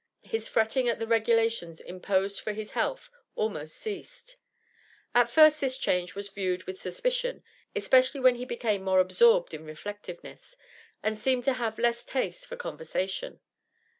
His fretting at the regulations imposed for his health almost ceased. At first this change was viewed with suspicion, especially when he became more absorbed in reflectiveness, and seemed to have less taste for conversation.